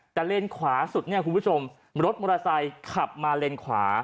แต่เลนขวาสุดเนี่ยคุณผู้ชมรถมอเตอร์ไซค์ขับมาเลนขวา